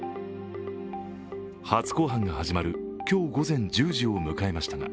初公判が始まる、今日午前１０時を迎えましたが